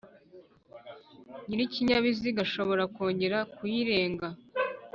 Nyir’ikinyabiziga ashobora kwongera kuyirenga